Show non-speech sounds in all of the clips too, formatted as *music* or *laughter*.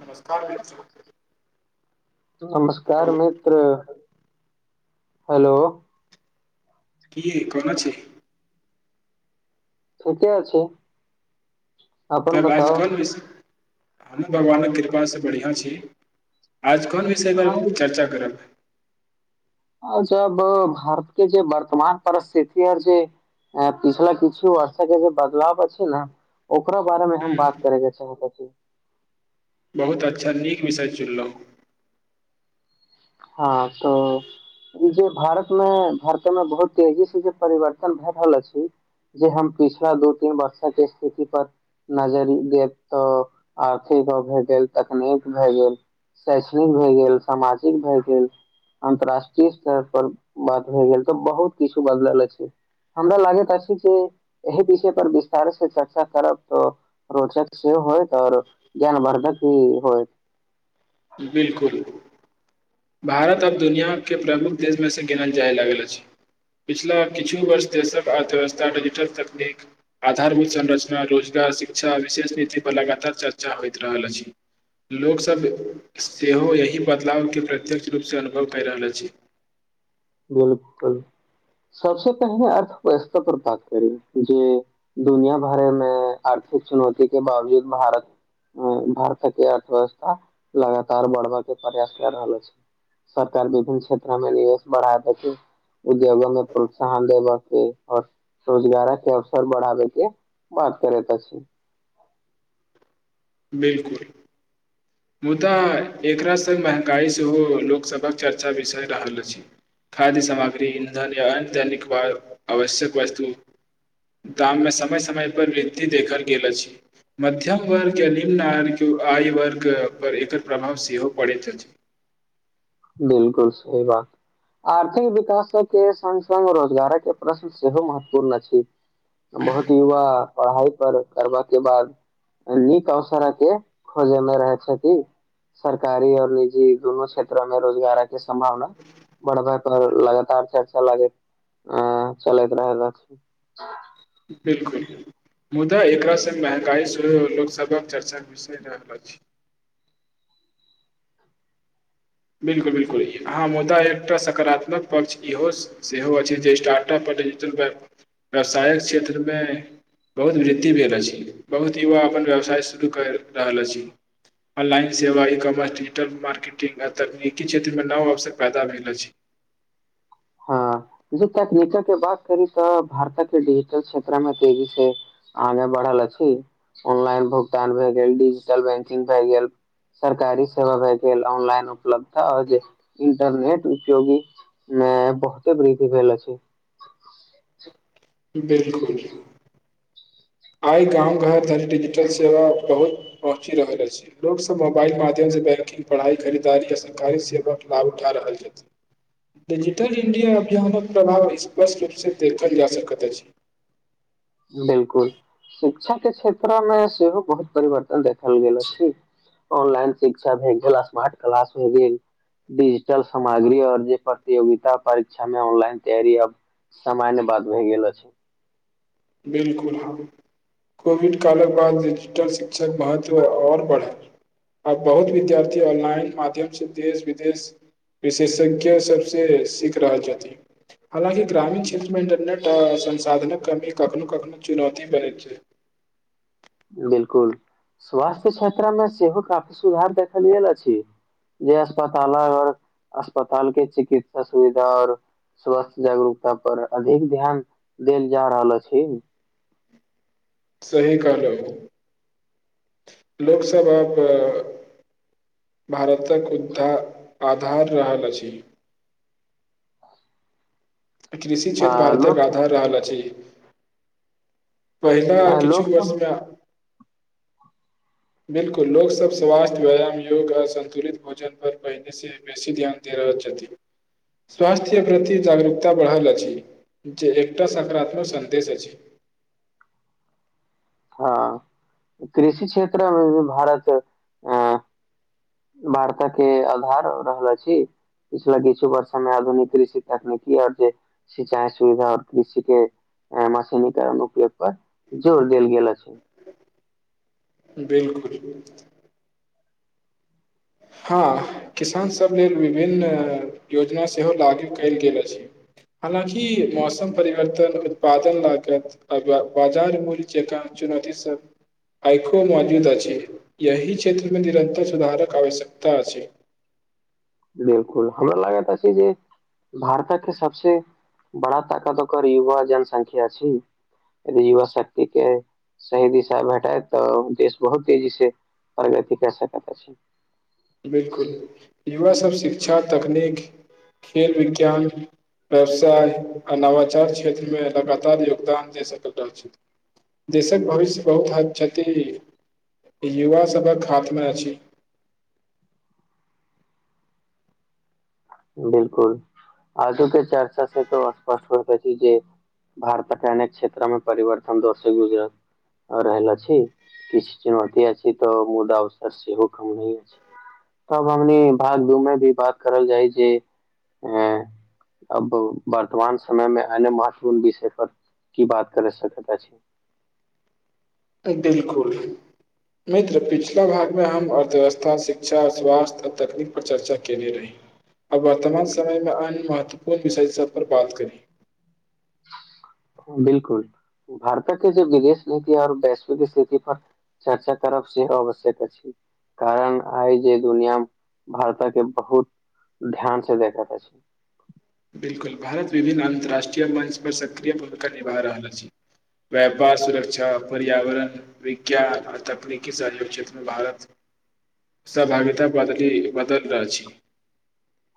नमस्कार मित्र नमस्कार हेलो मित्र हेलो कि कोना छी ठीके छै तऽ आाज कोन वि हमूँ भगवानक कृपासँ बढ़िआँ छी आज कोन विषय पर चर्चा करब आ जब भारत के जे वर्तमान परिस्थिति आर जे पिछला किछु वर्ष के जे बदलाव छै ने ओकरा बारे मे हम हूँ बात करे के चाहत बहुत अच्छा नीक बिषय चुनलहुँ हँ तऽ ई जे भारत मे भारत मे बहुत तेजी से जे परिवर्तन भए रहल अछि जे हम पिछला दू तीन वर्ष के स्थिति पर नजरि देब तऽ आर्थिक भ गेल तकनीक भ गेल शैक्षणिक भ गेल सामाजिक भ गेल अन्तराष्ट्रीय स्तर पर बात भऽ गेल तऽ बहुत किछु बदलल अछि हमरा लागैत अछि जे एहि विषय पर विस्तार से चर्चा करब तऽ रोचक सेहो होयत आओर ज्ञानवर्धक भी होयत बिल्कुल भारत आब दुनियाक प्रमुख देशमेसँ गिनल जाय लागल अछि पिछिला किछु वर्ष देशक अर्थव्यवस्था डिजिटल तकनीक आधारभूत संरचना रोजगार शिक्षा आ विशेष नीति पर लगातार चर्चा होइत रहल अछि लोक सब सेहो एहि बदलावके प्रत्यक्ष रूपसँ अनुभव कै रहल अछि बिल्कुल सबसँ पहिने अर्थव्यवस्था पर बात करी जे दुनिया भरमे अर्थिक चुनौती के बावजूद भारत भारतक अर्थव्यवस्था लगातार बढ़बक प्रयास कऽ रहल अछि सरकार विभिन्न क्षेत्र् मे निवेश बढ़ा उद्योगो मे प्रोत्साहन देबके आओर रोजगारक अवसर बढ़ाबके बात करेत अछि बिल्कुल *unintelligible* मुदा एकरा संग महँगाई सेहो लोकसभक चर्चा विषय रहल अछि खाद्य सामग्री इन्धन या अन्य दैनिक आवश्यक वस्तु दाम मे समय समय पर वृद्धि देखल गेल अछि मध्यम वर्ग निम्न आ आय वर्ग पर एकर प्रभाव सेहो पड़ैत अछि बिल्कुल सही बात आर्थिक विकासके संग संग रोजगारके प्रश्न सेहो महत्वपूर्ण अछि बहुत युवा पढ़ाई पर करबा के बाद नीक अवसरके खोजेमे रहै छथि सरकारी आओर निजी दुनू क्षेत्र मे रोजगारके सम्भावना बढ़ब पर लगातार चर्चा लागैत आ चलैत रहैत अछि बिल्कुल मुदा एकरा संग महगाई सेहो लोकसभक चर्चाक विषय रहल अछि बिल्कुल बिल्कुल अहाँ मुदा एकटा सकारात्मक पक्ष इहो सेहो अछि जे स्टार्टअप डिजिटल व्यावसायक क्षेत्रमे बहुत वृद्धि भेल अछि बहुत युवा अपन व्यवसाय शुरू करि रहल अछि ऑनलाइन सेवा ई कमर्स डिजिटल मार्केटिंग तकनीकी क्षेत्रमे नव अवसर पैदा भेल अछि हँ ज तकनीकक बात करी तऽ भारतक डिजिटल क्षेत्र में तेजी से आगे बढ़अ ऑनलाइन भुगतान भए गेल डिजिटल बैंकिंग भए गेल सरकारी सेवा भए गेल ऑनलाइन उपलब्धता आओर जे इंटरनेट उपयोगी मे बहुते वृद्धि भेलो अछि बिल्कुल आइ गाम घर धरि डिजिटल सेवा बहुत पहुँचि रहल अछि लोक सब मोबाइल माध्यम बैंकिंग पढ़ाई खरीदारी आ सरकारी सेवाके लाभ उठा रहल छथिन्ह डिजिटल इंडिया अभियानक प्रभाव स्पष्ट रूपसँ देखल जा सकैत अछि बिल्कुल शिक्षा के क्षेत्रमे सेहो बहुत परिवर्तन देखल गेल अछि ऑनलाइन शिक्षा भए गेल स्मार्ट क्लास भए गेल डिजिटल सामग्री आओर जे प्रतियोगिता परीक्षा मे ऑनलाइन तैयार अब सामान्य बात भय गेल अछि बिल्कुल कोविड कालक बाद डिजिटल शिक्षक महत्व आओर बढ़ल आ बहुत विद्यार्थी ऑनलाइन माध्यम से देश विदेश विशेषज्ञ सबसे सीख रहल छथि हालाँकि ग्रामीण क्षेत्र मे इंटरनेट संसाधन कमी कखनो कखनो चुनौती बनै छै बिल्कुल स्वास्थ्य क्षत्रा मे सेहो काफी सुधार देखल गेल अछि जे अस्पताल आओर अस्पताल के चिकित्सा सुविधा आओर स्वास्थ्य जागरूकता पर अधिक ध्यान देल जा रहल अछि *unintelligible* सही कहलौं लोक सब आप भारतक उद्धार आधार रहल अछि कृषि आ क्षेत्र भारतक लोक आधार रहल अछि पहिला आ, लोक किछु वर्ष सब में बिल्कुल लोक सब स्वास्थ्य व्यायाम योग आ संन्तुलित भोजन पर पहिने से बेसी ध्यान दे रह देइ छथि स्वस्थ्य प्रति जागरूकता बढ़ल अछि जे एकटा सकारात्मक संन्देश अछि *unintelligible* हां कृषि क्षेत्र में भी भारत अ वार्ता के आधार रहल अछि पिछला किछु बर्षमे आधुनिक कृषि तकनीकी आओर जे सिंचाई सुविधा आओर कृषि के ह मछ निक नक एकर जोर देल गेल छै बिल्कुल हां किसान सब लेल विभिन्न योजना सेहो लागू कयल गेल अछि हालाकि मौसम परिवर्तन उत्पादन लागत बाजार मूल्य जकाँ चुनौती सब आइखो मौजूद अछि यहि क्षेत्रमे निरन्तर सुधारक आवश्यकता त अछि बिल्कुल हमरा लागत अछि जे भारतक के सबसे बड़ा ताकत ओकर युवा जनसंख्या छी यदि युवा शक्ति के सही दिशा भेटाए तऽ देश बहुत तेजी से परगति कसकत अछि बिलकुल युवा सब शिक्षा तकनीक खेल विज्ञान व्यवसाय आ नवाचार क्षेत्रमें लगातार योगदान दे सकल अछि देशक भविष्य बहुत हद छथि युवा सभक हाथ में अछि बिल्कुल आजुके चरचा से तऽ स्पष्ट होइत अछि जे भारत के अनेक क्षेत्रो मे परिवर्तन दौर से गुजरैइ आ रहल अछि किछु चुनौती अछि छी तऽ मुदा अवसर सेहो कम नई अछि तब हमनी भाग दू में भी बात करल जाइ जे ऐं अब वर्तमान समय मे आने मा सी बिषय पर की बात करै सकैत अछि त बिलकुल मित्र पिछला भागमे हम अर्थव्यवस्था शिक्षा स्वास्थ्य आ तकनीक पर चर्चा केने रही आब वर्तमान समय मे अन्य महत्वपूर्ण विषय सब पर बात करी बिलकुल भारतक के जे विदेश नीति और वैश्विक स्थिति पर चर्चा करब सेहो आवश्यक अछि कारण आइ जे दुनिया भारतक के बहुत ध्यान से देखाेत अछि बिलकुल भारत विभिन्न अन्तर्राष्ट्रीय मंच पर सक्रिय भूमिका निभा रहल अछि व्यापार सुरक्षा पर्यावरण विज्ञान आर तकनीकी सहयो क्षेत्रमे भारत सहभागिता बदलि बदल रहल अछि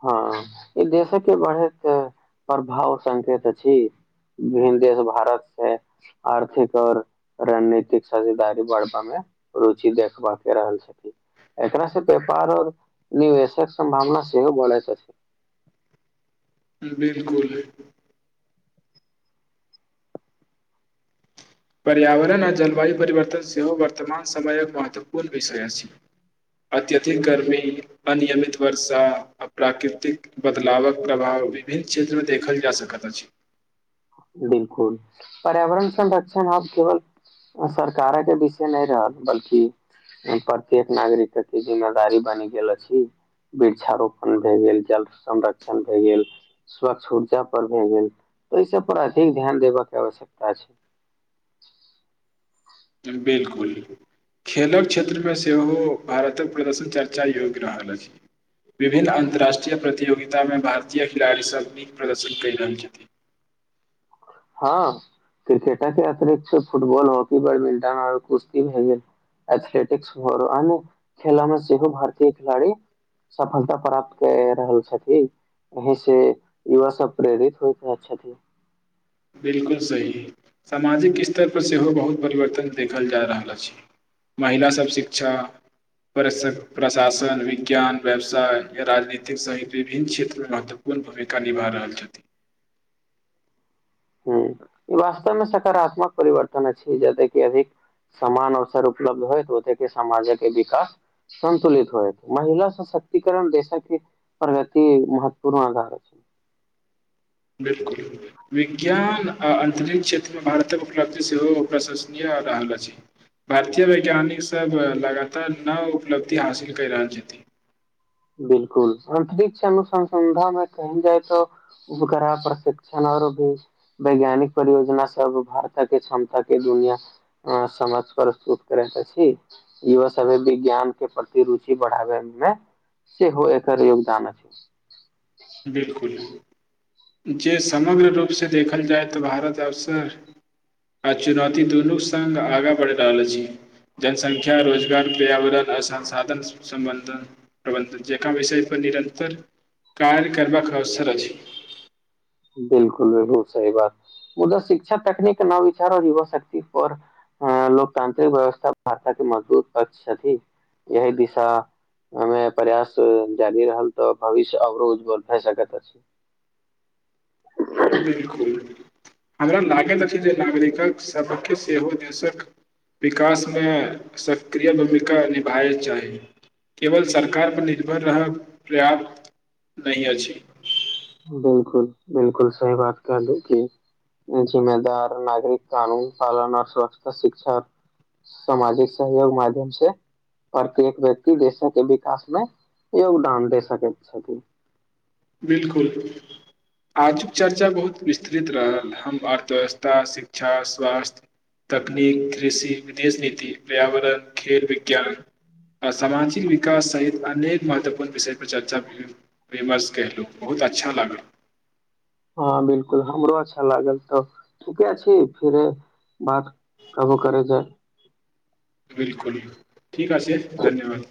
हँ ई देश के बढ़ैत प्रभाव संकेत अछि भिन्न देश भारत से आर्थिक और रणनीतिक साझेदारी बढ़बामे रुचि देखबाका के रहल छथिन एकरा से व्यापार आऔर निवेश सम्भावना सेहो बढैत अछि बिलकुल पर्यावरण आ जलवायु परिवर्तन सेहो वर्तमान समय एक महत्वपूर्ण विषय अछि अत्यधिक गर्मी अनियमित वर्षा आ प्राकृतिक बदलावक प्रभाव विभिन्न क्षेत्र मे देखल जा सकैत अछि बिलकुल पर्यावरण संरक्षण आब केवल सरकारेक विषय नहि रहल बल्कि प्रत्येक नागरिकति अथि जिम्मेदारी बनी गेलल छी वृक्षारोपण भए गेल जल संरक्षण भए गेल स्वच्छ ऊर्जा पर भए गेल तऽ ई सब पर अधिक ध्यान देबके आवश्यकता छै बिलकुल खेलक क्षेत्रमे सेहो भारतक प्रदर्शन चर्चा योग्य रहल अछि विभिन्न अन्तर्राष्ट्रीय प्रतियोगितामे भारतीय खिलाड़ीसभ नीक प्रदर्शन कइ रहल छथि *inaudible* हँ क्रिकेट के अतिरिक्त फुटबॉल हॉकी बैडमिंटन आओर कुस्ती भे गेल एथलेटिक्स भर अन खेलामे सेहो भारतीय खेलाड़ी सफलता प्राप्त के रहल छथि अही से युवा सब प्रेरित होइत हेत छथि बिल्कुल सही सामाजिक स्तरपर सेहो बहुत परिवर्तन देखल जा रहल अछि महिलासभ शिक्षा प्रशासन विज्ञान व्यवसाय य राजनीतिक सहित विभिन्न क्षेत्र मे महत्वपूर्ण भूमिका निभा रहल छथिन *inaudible* ह ई वास्तवमे सकारात्मक परिवर्तन अछि जतेक की अभिक समान अवसर उपलब्ध होय तऽ ओत समाज के विकास संन्तुलित होए महिला सशक्तिकरण देशक प्रगति महत्वपूर्ण आधारत अछि *inaudible* बिलकुल विज्ञान आ अंतरिक्ष क्षेत्र मे भारतक उपलब्धि सेहो प्रशंसनीय भेल अछि भारतीय वैज्ञानिक सब लगातार नव उपलब्धि हासिल केय रहल छथिन बिलकुल अंतरिक्ष अनुसंसधान मे कही जाइ त उपग्रह प्रशिक्षण आओरो भी वैज्ञानिक परियोजना सब भारतक के क्षमता के दुनिया सम प्रस्तुत करे के अधि इहो सब विज्ञान के प्रति रुचि बढ़ाबे मे सेहो एकर योगदान अछि बिलकुल जे समग्र रूपसँ देखल जाय तऽ भारत अवसर आ चुनौती दुनू सङ्ग आगाँ बढ़ि रहल अछि जनसंख्या रोजगार पर्यावरण अ ससांधन संबंध प्रबंधन जेका विषय पर निरतर कायल करबाकवसर अछि बिल्कुल बिल्कुल सही बात मुदा शिक्षा तकनीक नवचार युवा शक्ति पर अ लोकतांत्रिक व्यवस्था भारत के मजबूत पक्ष छथि यह दिशा अमे प्रयास जारी रहल तऽ भविष्य अरो उज्जवल भए सकैत हंँ बिल्कुल हमरा लागैत अछि जे नागरिकक सभके सेहो देशक विकासमे सक्रिय भूमिका निभाय चाही केवल सरकारपर निर्भर रहब पर्याप्त नहि अछि बिल्कुल बिल्कुल सही बात कर ल की जिम्मेदार नागरिक कानून पालन सुरक्षा शिक्षा सामाजिक सहयोग माध्यम से प्रत्येक व्यक्ति देशक विकास मे योगदान दे सकैत छथिन बिल्कुल आजुक चर्चा बहुत विस्तृत रहल हम अर्थव्यवस्था शिक्षा स्वास्थ्य तकनीक कृषि विदेश नीति पर्यावरण खेेल विज्ञान आ सामाजिक विकास सहित अनेक महत्वपूर्ण विषय पर चर्चा विमर्श कयलहुँ बहुत अच्छा लागल हँ बिल्कुल हमरो अच्छा लागल तऽ त छी फिर बात कबो करै छै बिल्कुल ठीक अछि धन्यवाद